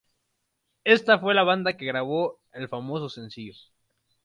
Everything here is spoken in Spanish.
Ésta fue la banda que grabó el famoso sencillo.